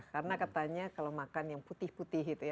karena katanya kalau makan yang putih putih itu ya